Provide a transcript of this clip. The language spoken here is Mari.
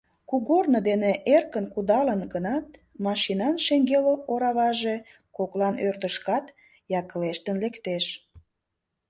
Кугорно дене эркын кудалыт гынат, машинан шеҥгел ораваже коклан ӧрдыжкат яклештын лектеш.